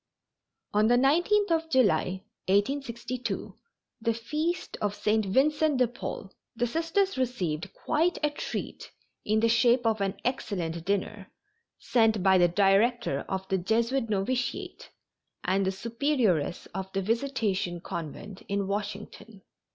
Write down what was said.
On the 19th of July, 1862, the feast of St. Vincent de Paul, the Sisters received quite a treat in the shape of an excellent dinner, sent by the director of the Jesuit Novitiate and the Superioress of the Visitation Convent, in Washington.